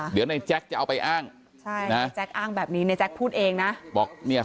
เดี๋ยวนายแจ๊คจะเอาไปอ้างนี้เนี่ย